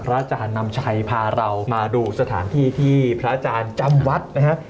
อาจารย์นำชัยพาเรามาดูสถานที่ที่พระอาจารย์จำวัดนะฮะ